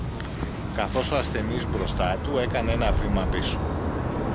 καθώς ο ασθενής μπροστά του έκανε ένα βήμα πίσω